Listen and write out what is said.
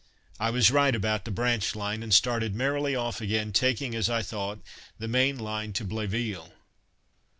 I was right about the branch line, and started merrily off again, taking as I thought the main line to Bléville.